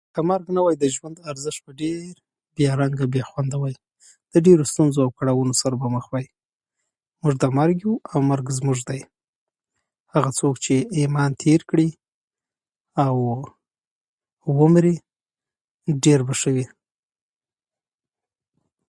که مرګ نه وای، د ژوند ارزشت به ډېر بې رنګه، بې خونده وای. د ډېرو ستونزو او کړاوونو سره به مخ وای. موژ د مرګ یو، او مرګ د زموژ دی. هغه څوک چې ايمان تېر کړي او ومري، ډېر به شه وي.